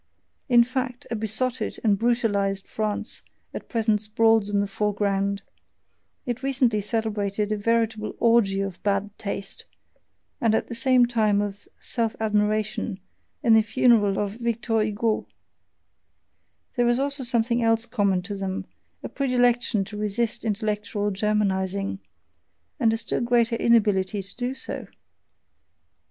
In fact, a besotted and brutalized France at present sprawls in the foreground it recently celebrated a veritable orgy of bad taste, and at the same time of self admiration, at the funeral of Victor Hugo. There is also something else common to them: a predilection to resist intellectual Germanizing and a still greater inability to do so!